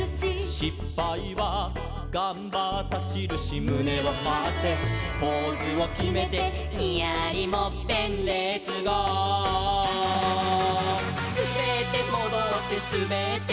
「しっぱいはがんばったしるし」「むねをはってポーズをきめて」「ニヤリもっぺんレッツゴー！」「すべってもどってすべってもどって」